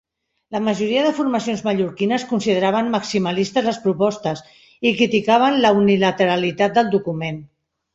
La majoria de formacions mallorquines consideraven maximalistes les propostes i criticaven la unilateralitat del document.